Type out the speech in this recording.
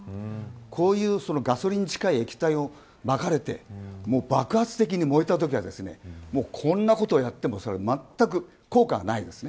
こういうガソリンに近い液体をまかれてもう、爆発的に燃えたときはこんなことをやってもまったく効果がないです。